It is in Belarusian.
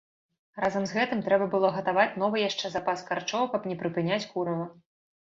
Разам з гэтым трэба было гатаваць новы яшчэ запас карчоў, каб не прыпыняць курава.